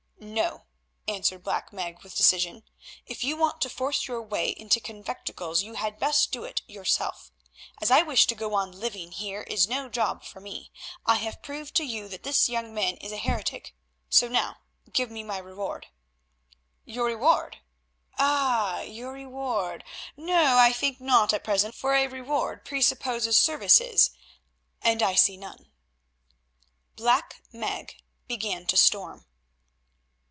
"No," answered Black Meg with decision, "if you want to force your way into conventicles you had best do it yourself. As I wish to go on living here is no job for me. I have proved to you that this young man is a heretic, so now give me my reward." "Your reward? Ah! your reward. No, I think not at present, for a reward presupposes services—and I see none." Black Meg began to storm.